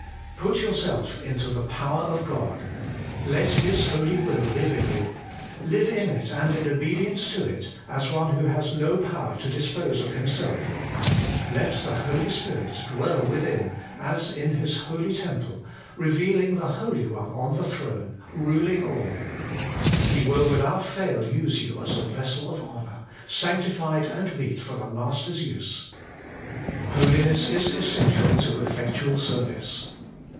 Put yourself into the power of God ; let His holy will live in you ; live in it and in obedience to it, as one who has no power to dispose of himself ; let the Holy Spirit dwell within, as in His Holy Temple, revealing the Holy One on the throne, ruling all ; He will without fail use you as a vessel of honour, sanctified and meet for the Master's use. Holiness is essential to effectual service.